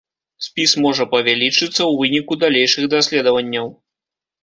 Спіс можа павялічыцца ў выніку далейшых даследаванняў.